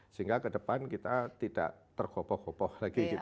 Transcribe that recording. sehingga kedepan kita tidak tergopoh gopoh lagi gitu ya